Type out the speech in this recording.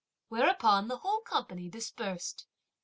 whereupon the whole company dispersed.